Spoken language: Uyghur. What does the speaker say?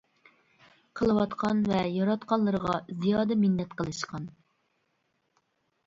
قىلىۋاتقان ۋە ياراتقانلىرىغا زىيادە مىننەت قىلىشقان.